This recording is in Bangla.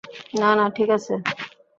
না না, ঠিক আছে।